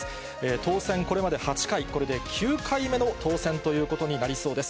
当選、これまで８回、これで９回目の当選ということになりそうです。